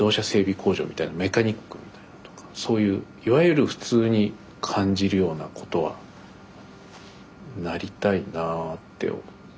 工場みたいなメカニックみたいなのとかそういういわゆる普通に感じるようなことはなりたいなあって